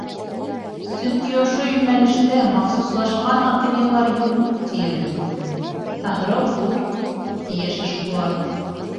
Сөнки ошо йүнәлештә махсуслашҡан ательелар юҡ тиерлек, ә һорау ҙур, — ти йәш эшҡыуар.